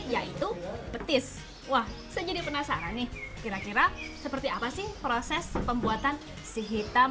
yaitu petis wah saya jadi penasaran nih kira kira seperti apa sih proses pembuatan si hitam